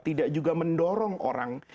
tidak juga mendorong orang